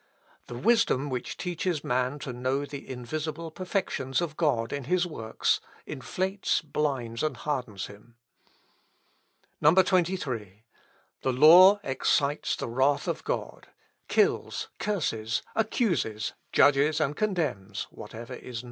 "The wisdom which teaches man to know the invisible perfections of God in his works, inflates, blinds, and hardens him. 23. "The law excites the wrath of God, kills, curses, accuses, judges, and condemns, whatever is not in Christ.